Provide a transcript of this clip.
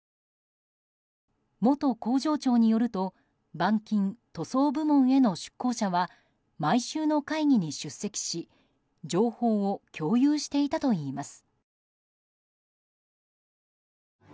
元工場長によると板金塗装部門への出向者は毎週の会議に出席し情報を共有していたといいます。